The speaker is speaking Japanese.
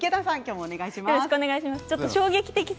お願いします。